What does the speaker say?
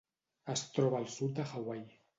Es troba al sud de Hawaii.